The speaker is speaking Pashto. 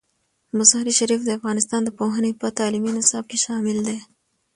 مزارشریف د افغانستان د پوهنې په تعلیمي نصاب کې شامل دی.